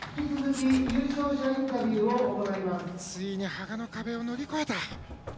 ついに羽賀の壁を乗り越えた。